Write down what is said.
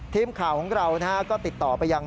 ทีมข่าวของเราก็ติดต่อไปยัง